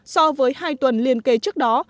so với hai tuần liên kế trước đó